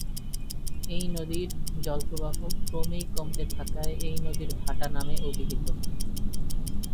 এই নদীর জলপ্রবাহ ক্রমেই কমতে থাকায় এই নদী ভাটা নামে অভিহিত।